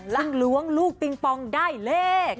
ลักล้วงลูกปิงปองได้เลข